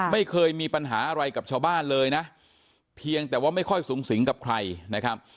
ไม่เคยมีปัญหาอะไรกับชาวบ้านเลยนะเพียงแต่ว่าไม่ค่อยสูงสิงกับใครนะครับ